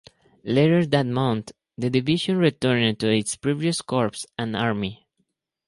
Later that month the division returned to its previous corps and army.